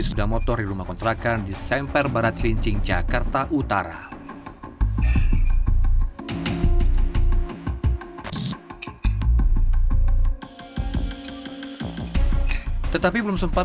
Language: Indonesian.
sepeda motor di rumah kontrakan di semper barat selincing jakarta utara tetapi belum sempat